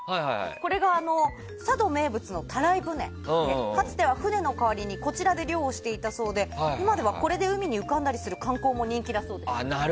これが佐渡名物のたらい舟でかつては船の代わりにこちらで漁をしていたそうで今ではこれで海に浮かんだりする観光も人気だそうですよ。